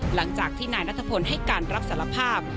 หลังจากที่นายนัทพลให้การรับสารภาพ